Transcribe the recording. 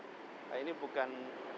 undang undang ini bukan